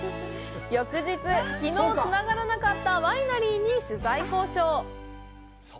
翌日、きのう、つながらなかったワイナリーに取材交渉！